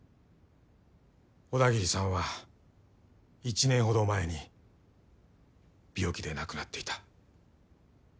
小田切さんは１年ほど前に病気で亡くなっていた。